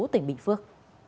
tỉnh bình phước